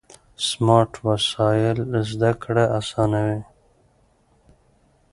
سمارټ وسایل زده کړه اسانوي.